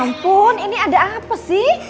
ampun ini ada apa sih